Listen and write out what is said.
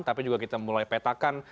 tapi juga kita mulai petakan